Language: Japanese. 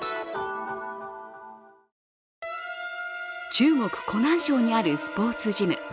中国、湖南省にあるスポーツジム。